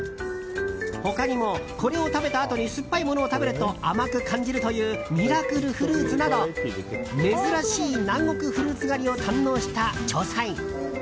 他にも、これを食べたあとに酸っぱいものを食べると甘く感じるというミラクルフルーツなど珍しい南国フルーツ狩りを堪能した調査員。